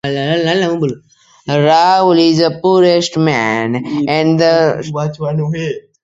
His personal courage, military competence and manly personal style made him a national figure.